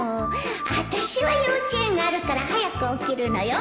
あたしは幼稚園があるから早く起きるのよ